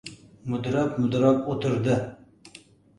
Mudrab-mudrab o‘tirdi.